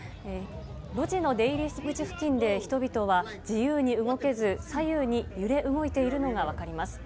路地の出入り口付近で、人々は自由に動けず、左右に揺れ動いているのが分かります。